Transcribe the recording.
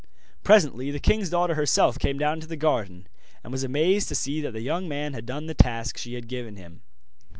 Presently the king's daughter herself came down into the garden, and was amazed to see that the young man had done the task she had given him.